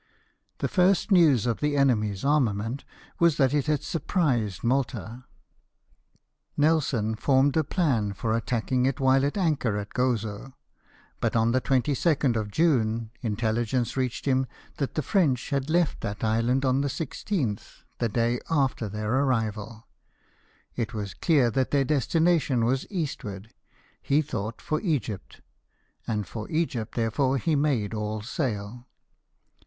The first news of the enemy's armament was that it had surprised Malta. Nelson formed a plan for attacking it while at anchor at Gozo ; but on the 22nd of June intelhgence reached him that the French had left that island on the 16th, the day after their arrival. It was clear that their destination was east ward — ^he thought, for Egypt ; and for Egypt there fore he made all sail.